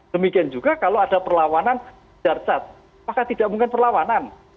demikian juga kalau ada perlawanan jarcat maka tidak mungkin perlawanan